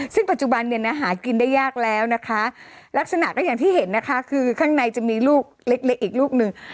ซึ่งปัจจุบันเนี่ยนะหากินได้ยากแล้วนะคะลักษณะก็อย่างที่เห็นนะคะคือข้างในจะมีลูกเล็กเล็กอีกลูกหนึ่ง